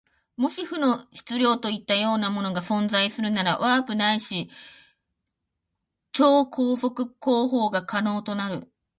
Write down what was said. もし負の質量といったようなものが存在するなら、ワープないし超光速航法が可能となる。